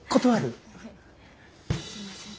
すいません。